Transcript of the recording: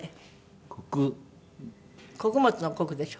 「穀物」の「穀」でしょ？